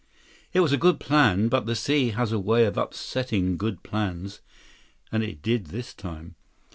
It was a good plan. But the sea has a way of upsetting good plans, and it did this time.